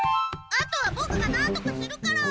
あとはボクがなんとかするから！